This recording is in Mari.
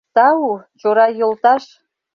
Тау, Чорай йолташ!